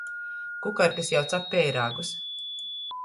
Kukarkys jau cap peirāgus.